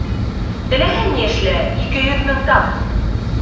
Теләһә ни эшлә, ике йөҙ мең тап.